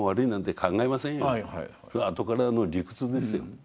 あとからの理屈ですよ。